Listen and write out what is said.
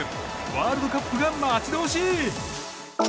ワールドカップが待ち遠しい！